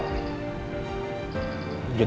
ini yang keisha biasa pakai